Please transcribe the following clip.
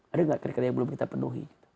ada gak karya karya yang belum kita penuhi